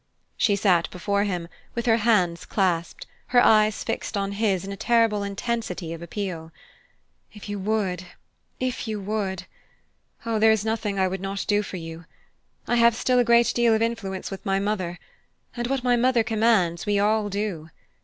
She sat before him with her hands clasped, her eyes fixed on his in a terrible intensity of appeal. "If you would if you would! Oh, there is nothing I would not do for you. I have still a great deal of influence with my mother, and what my mother commands we all do.